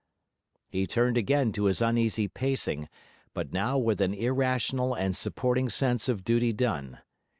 He turned again to his uneasy pacing, but now with an irrational and supporting sense of duty done.